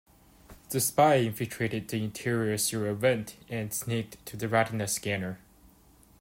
The spy infiltrated the interior through a vent and sneaked to the retina scanner.